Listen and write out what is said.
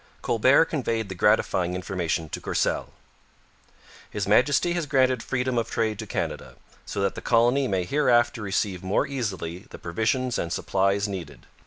Colbert conveyed the gratifying information to Courcelle: His Majesty has granted freedom of trade to Canada, so that the colony may hereafter receive more easily the provisions and supplies needed.